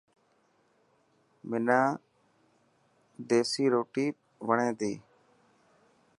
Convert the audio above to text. حنان ديسي روٽي وڻي تي.